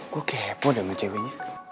gua kepo dengan ceweknya